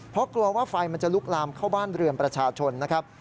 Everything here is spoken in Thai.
เพราะกลัวว่าไฟมันจะลุกลามเข้าบ้านเรือนประชาชนนะครับ